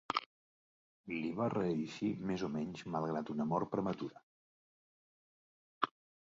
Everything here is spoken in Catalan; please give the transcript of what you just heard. Li va reeixir més o menys malgrat una mort prematura.